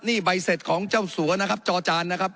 นี่ใบเสร็จของเจ้าสัวนะครับจอจานนะครับ